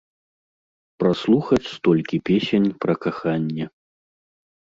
Праслухаць столькі песень пра каханне.